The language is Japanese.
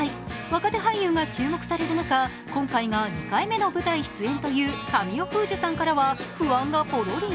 若手俳優が注目される中、今回が２回目の舞台出演という神尾楓珠さんからは不安がポロリ。